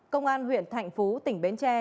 công an huyện thành phú tỉnh bến tre